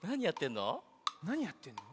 なにやってんの？